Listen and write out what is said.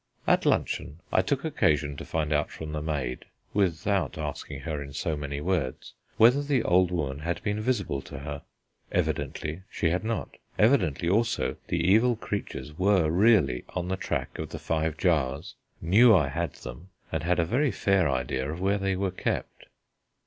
At luncheon I took occasion to find out from the maid, without asking her in so many words, whether the old woman had been visible to her; evidently she had not: evidently also, the evil creatures were really on the track of the Five Jars, knew that I had them, and had a very fair idea of where they were kept.